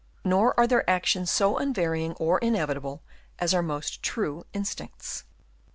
Nor are their actions so unvarying or inevitable as are most true instincts.